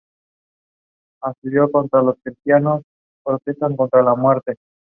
En la punta hay un faro.